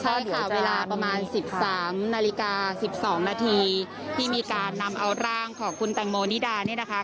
ใช่ค่ะเวลาประมาณ๑๓นาฬิกา๑๒นาทีที่มีการนำเอาร่างของคุณแตงโมนิดาเนี่ยนะคะ